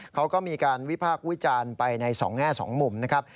เขาก็มีการวิพากษ์วิจารณ์ไปในสองแง่สองมุมนะครับ